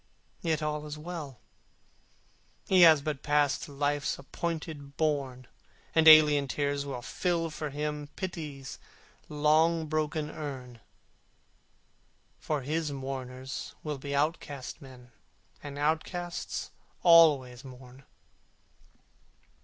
Yet all is well; he has but passed To Life's appointed bourne: And alien tears will fill for him Pity's long broken urn, For his mourners be outcast men, And outcasts always mourn.